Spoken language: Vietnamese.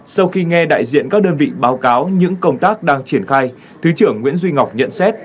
sau khi nghe đại diện các đơn vị báo cáo những công tác đang triển khai thứ trưởng nguyễn duy ngọc nhận xét